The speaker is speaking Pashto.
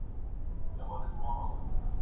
هر ماشوم حق لري چي علم غوره کړي.